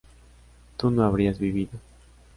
tú no habrías vivido